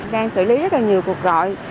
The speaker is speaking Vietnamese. đang xử lý rất là nhiều cuộc gọi